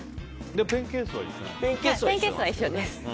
ペンケースは一緒です。